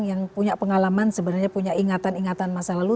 yang punya pengalaman sebenarnya punya ingatan ingatan masa lalu